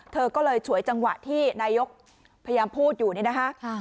เธอก็เลยฉวยจังหวะที่นายกพยายามพูดอยู่นี่นะคะ